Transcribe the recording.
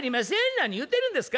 何言うてるんですか？